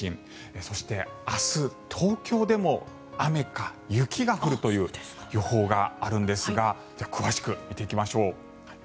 そして明日、東京でも雨か雪が降るという予報があるんですが詳しく見ていきましょう。